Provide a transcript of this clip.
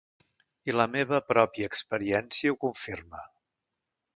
I la meva pròpia experiència ho confirma.